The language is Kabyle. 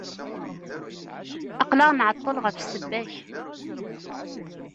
Aql-aɣ nεeṭṭel ɣef ssebba-k.